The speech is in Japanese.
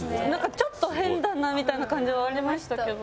ちょっと変だなみたいな感じはありましたけど。